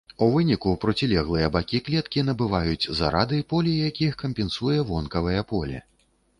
У выніку процілеглыя бакі клеткі набываюць зарады, поле якіх кампенсуе вонкавае поле.